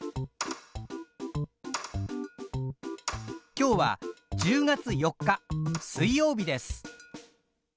今日は１０月４日水曜日です。